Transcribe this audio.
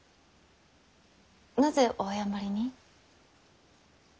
なぜお謝りに？